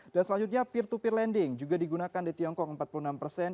dan selanjutnya peer to peer lending juga digunakan di tiongkok empat puluh enam persen